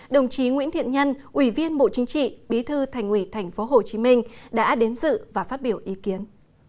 đồng chí nguyễn thiện nhân ủy viên bộ chính trị bí thư thành ủy tp hcm đã đến dự và phát biểu ý kiến